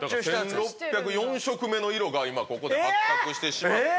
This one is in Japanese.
１６０４色目の色が今ここで発覚してしまった。